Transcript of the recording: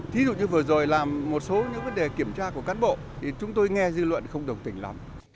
thí dụ như vừa rồi làm một số những vấn đề kiểm tra của cán bộ thì chúng tôi nghe dư luận không đồng tình lắm